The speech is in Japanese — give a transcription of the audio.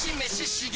刺激！